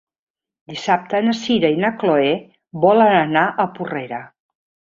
Dissabte na Sira i na Chloé volen anar a Porrera.